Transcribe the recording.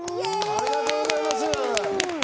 ありがとうございます。